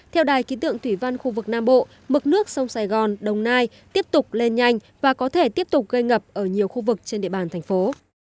theo đài ký tượng thủy văn khu vực nam bộ mực nước sông sài gòn đồng nai tiếp tục lên nhanh và có thể tiếp tục gây ngập ở nhiều khu vực trên địa bàn thành phố